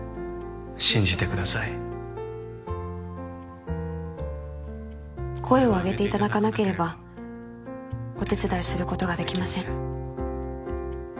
「信じてください」「声を上げていただかなければお手伝いすることができません」